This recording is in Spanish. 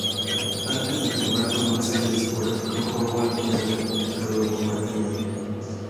Antes de firmar con un sello discográfico, Howard ya había publicado algún material.